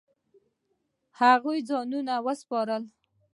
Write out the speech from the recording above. هغوی ځانونه وسپارل.